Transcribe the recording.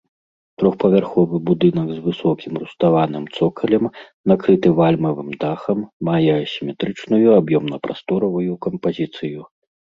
Трохпавярховы будынак з высокім руставаным цокалем, накрыты вальмавым дахам, мае асіметрычную аб'ёмна-прасторавую кампазіцыю.